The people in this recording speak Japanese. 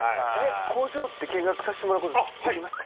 工場って見学させてもらう事できますか？